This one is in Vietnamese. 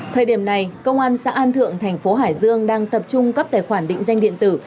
thời điểm này công an xã an thượng thành phố hải dương đang tập trung cấp tài khoản định danh điện tử